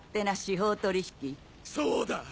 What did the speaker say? そうだ！